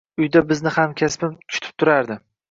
Uyda bizni hamkasbim kutib turardi